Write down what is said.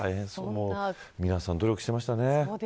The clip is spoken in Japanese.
皆さん、努力していましたね。